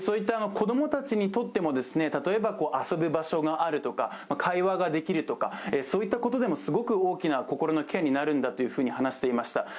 子供たちにとっても、例えば遊ぶ場所があるとか、会話ができるとか、そういったことでもすごく大きな心のケアになるんだと話していました。